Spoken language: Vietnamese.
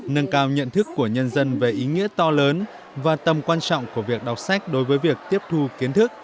nâng cao nhận thức của nhân dân về ý nghĩa to lớn và tầm quan trọng của việc đọc sách đối với việc tiếp thu kiến thức